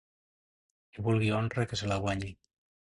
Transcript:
Qui vulgui honra, que se la guanyi.